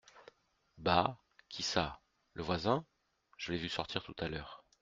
Bah ! qui ça ? le voisin ? je l'ai vu sortir tout à l'heure.